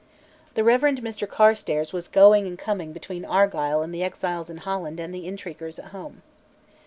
The Rev. Mr Carstares was going and coming between Argyll and the exiles in Holland and the intriguers at home.